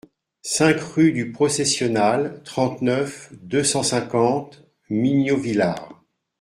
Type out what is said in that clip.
cinq rue du Processionnal, trente-neuf, deux cent cinquante, Mignovillard